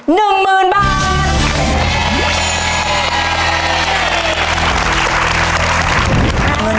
๑หมื่นบาท